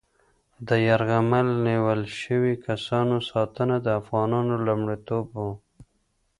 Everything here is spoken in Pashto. د یرغمل نیول شوي کسانو ساتنه د افغانانو لومړیتوب و.